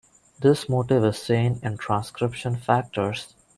This motif is seen in transcription factors.